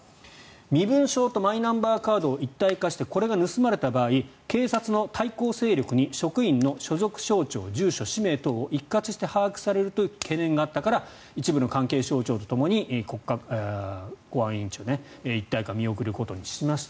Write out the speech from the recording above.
身分証とマイナンバーカードを一体化してこれが盗まれた場合警察の対抗勢力に職員の所属省庁、住所、氏名等を一括して把握されるという懸念があったから一部の関係者省庁とともに一体化を見送ることにしました。